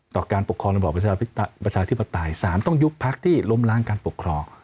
การปกครองระบอบประชาธิปไตยสารต้องยุบพักที่ล้มล้างการปกครอง